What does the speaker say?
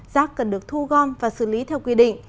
rác cần được thu gom và xử lý theo quy định